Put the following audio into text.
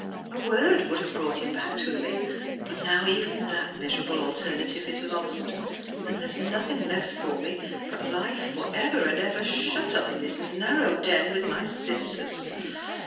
" A word would have brought him back to me. But now even that miserable alterna tive is lost, and there is nothing left for me but life for ever and ever shut up in this nan ow den with my sisters.